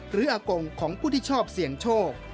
อากงของผู้ที่ชอบเสี่ยงโชค